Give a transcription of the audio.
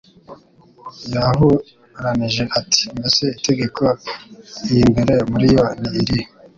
yahuranije ati: «Mbese itegeko iy'imbere muri yo ni irihe?